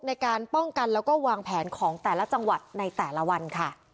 ในการป้องกันแล้วก็วางแผนของแต่ละจังหวัดในแต่ละวันค่ะ